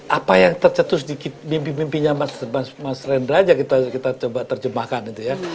apa yang tercetus di mimpi mimpinya mas rendra aja kita coba terjemahkan itu ya